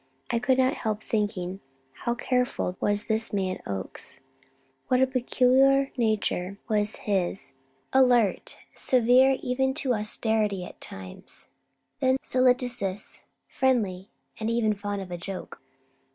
I could not help thinking how careful was this man Oakes, and what a peculiar nature was his; alert, severe even to austerity at times; then solicitous, friendly and even fond of a joke.